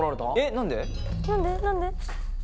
何で？